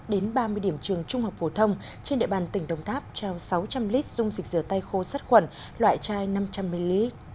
đến ba mươi điểm trường trung học phổ thông trên địa bàn tỉnh đồng tháp trao sáu trăm linh lít dung dịch dừa tay khô sát khuẩn loại chai năm trăm linh ml